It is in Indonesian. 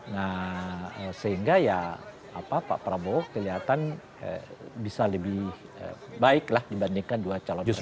nah sehingga ya pak prabowo kelihatan bisa lebih baik lah dibandingkan dua calon